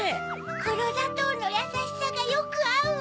くろざとうのやさしさがよくあうわ！